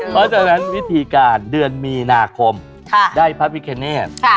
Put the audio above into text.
เพราะฉะนั้นวิธีการเดือนมีนาคมได้พระพิคเนต